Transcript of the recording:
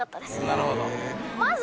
なるほど。